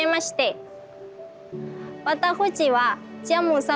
แนะนำตัวใช่ไหมค่ะ